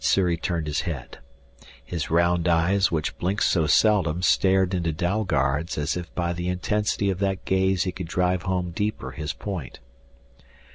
Sssuri turned his head. His round eyes which blinked so seldom stared into Dalgard's as if by the intensity of that gaze he could drive home deeper his point.